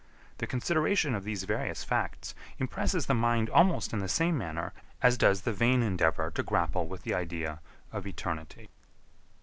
The consideration of these various facts impresses the mind almost in the same manner as does the vain endeavour to grapple with the idea of eternity.